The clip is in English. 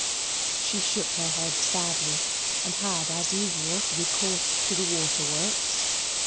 She shook her head sadly and had, as usual, recourse to the waterworks.